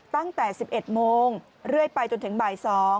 ตั้งแต่๑๑โมงเรื่อยไปจนถึงบ่าย๒